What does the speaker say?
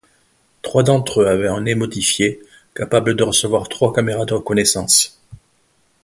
Trois d'entre eux avaient un nez modifié capable de recevoir trois caméras de reconnaissance.